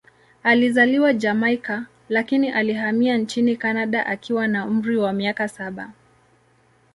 Alizaliwa Jamaika, lakini alihamia nchini Kanada akiwa na umri wa miaka saba.